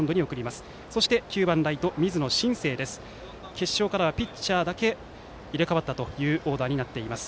決勝からはピッチャーだけ入れ替わったオーダーとなります。